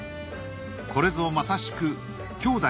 これぞまさしく兄弟